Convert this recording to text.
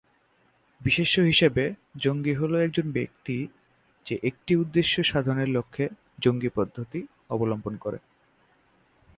বিশেষ্য হিসেবে, "জঙ্গি" হল একজন ব্যক্তি যে একটি উদ্দেশ্য সাধনের লক্ষ্যে জঙ্গী পদ্ধতি অবলম্বন করে।